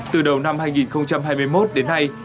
từ đầu năm hai nghìn hai mươi một đến nay